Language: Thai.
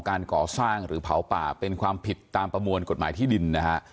การก่อสร้างหรือเผาป่าเป็นความผิดตามประมวลกฎหมายที่ดินนะฮะ